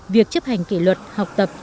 việc chấp hành kỷ luật học tập